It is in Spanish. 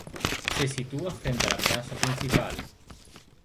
Se sitúa frente a la plaza principal.